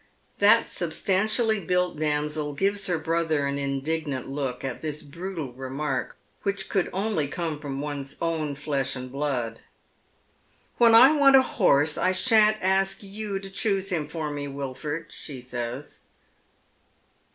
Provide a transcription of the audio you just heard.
That substantially built damsel gives her brother an indignant look at this brutal remark, which could only come from one's own flesh and blood. '• Wlien I want a horse I shan't ask you to choose him for me, Wilford," she says.